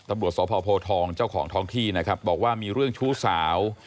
ตำรวจสพโพทองเจ้าของท้องที่นะครับบอกว่ามีเรื่องชู้สาว